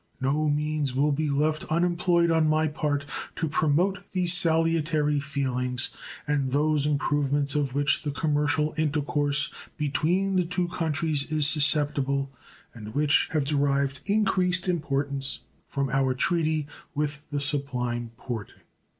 No means will be left unemployed on my part to promote these salutary feelings and those improvements of which the commercial intercourse between the two countries is susceptible, and which have derived increased importance from our treaty with the Sublime Porte.